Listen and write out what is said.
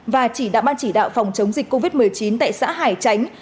và chỉ đạo ban chỉ đạo phòng chống dịch covid một mươi chín tại xã hải chánh